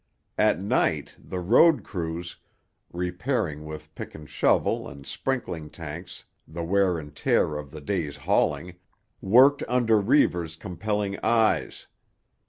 At night the road crews, repairing with pick and shovel and sprinkling tanks the wear and tear of the day's hauling, worked under Reivers' compelling eyes.